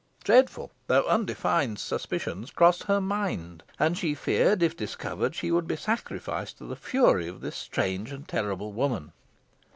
] Dreadful though undefined suspicions crossed her mind, and she feared, if discovered, she should be sacrificed to the fury of this strange and terrible woman.